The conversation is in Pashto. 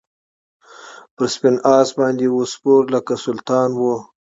پر سپین آس باندي وو سپور لکه سلطان وو